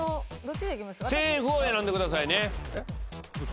セーフを選んでくださいね。